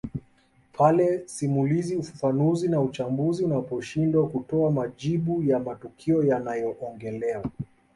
Pale simulizi ufafanuzi na uchambuzi unaposhindwa kutoa majibu ya matukio yanayoongelewa